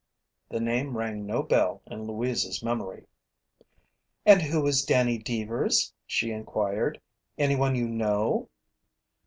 The name rang no bell in Louise's memory. "And who is Danny Deevers?" she inquired. "Anyone you know?"